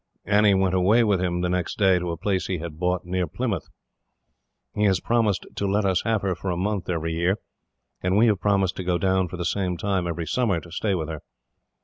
Annie went away with him the next day, to a place he has bought near Plymouth. He has promised to let us have her for a month, every year, and we have promised to go down for the same time, every summer, to stay with her.